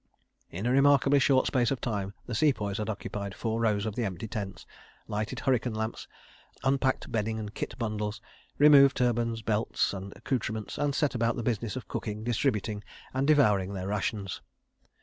In a remarkably short space of time, the Sepoys had occupied four rows of the empty tents, lighted hurricane lamps, unpacked bedding and kit bundles, removed turbans, belts and accoutrements, and, set about the business of cooking, distributing, and devouring their rations.